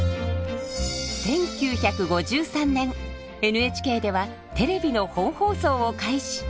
１９５３年ＮＨＫではテレビの本放送を開始。